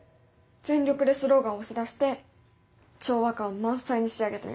全力でスローガン押し出して調和感満載に仕上げてみました。